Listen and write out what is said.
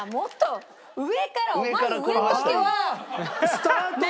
スタートを？